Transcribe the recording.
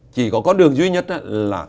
chỉ có con đường duy nhất là